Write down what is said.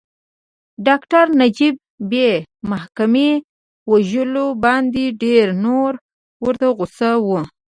د ډاکټر نجیب بې محاکمې وژلو باندې ډېر نور ورته غوسه وو